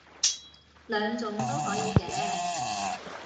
兩種都可以嘅